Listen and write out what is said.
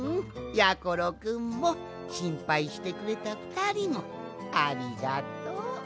やころくんもしんぱいしてくれたふたりもありがとう。